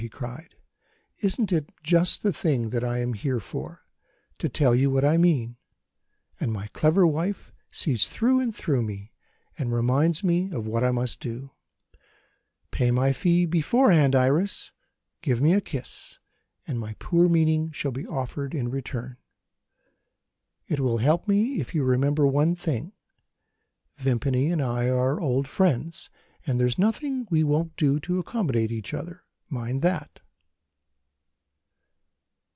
he cried. "Isn't it just the thing that I am here for, to tell you what I mean and my clever wife sees through and through me, and reminds me of what I must do! Pay my fee beforehand, Iris! Give me a kiss and my poor meaning shall be offered in return. It will help me if you remember one thing. Vimpany and I are old friends, and there's nothing we won't do to accommodate each other. Mind that!"